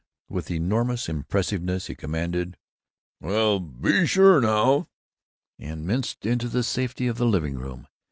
With enormous impressiveness he commanded, "Well, be sure now," and minced into the safety of the living room.